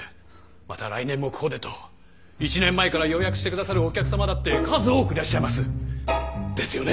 また来年もここでと１年前から予約してくださるお客さまだって数多くいらっしゃいます。ですよね？